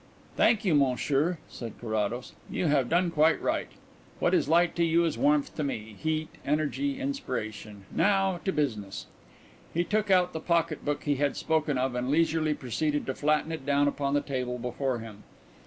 "Thank you, Monsieur," said Carrados, "you have done quite right. What is light to you is warmth to me heat, energy, inspiration. Now to business." He took out the pocket book he had spoken of and leisurely proceeded to flatten it down upon the table before him.